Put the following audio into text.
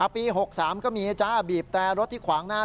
ปี๖๓ก็มีนะจ๊ะบีบแตรรถที่ขวางหน้า